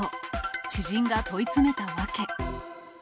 知人が問い詰めた訳。